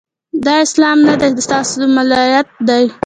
دا اسلام نه دی، د ستا سو ملایت دی